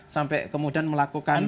sampai kemudian melakukan